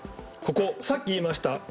ここさっき言いました